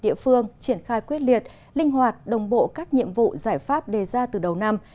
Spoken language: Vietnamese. địa phương triển khai quyết liệt linh hoạt đồng bộ các nhiệm vụ giải pháp đề ra từ đầu năm